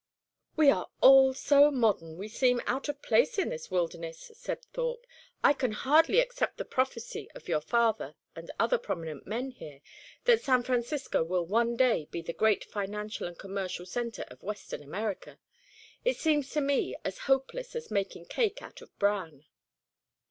"We are all so modern, we seem out of place in this wilderness," said Thorpe. "I can hardly accept the prophecy of your father and other prominent men here, that San Francisco will one day be the great financial and commercial centre of Western America. It seems to me as hopeless as making cake out of bran."